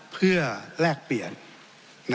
เพื่อแลกเปลี่ยน